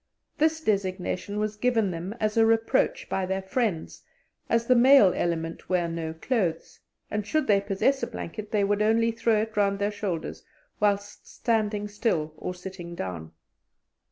This designation was given them as a reproach by their friends, as the male element wear no clothes; and should they possess a blanket, they would only throw it round their shoulders whilst standing still or sitting down.